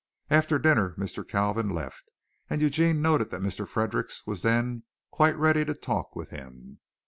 After dinner Mr. Kalvin left, and Eugene noted that Mr. Fredericks was then quite ready to talk with him.